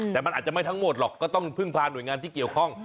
แต่มันอาจจะไม่ทั้งหมดหรอกก็ต้องพึ่งพาหน่วยงานที่เกี่ยวข้อง